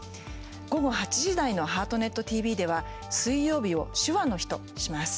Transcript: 午後８時台の「ハートネットＴＶ」では水曜日を手話の日とします。